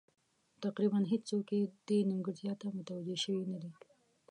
تقریبا هېڅوک یې دې نیمګړتیا ته متوجه شوي نه دي.